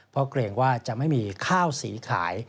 เพราะเกรงว่าจะไม่มีข้าวสีขาย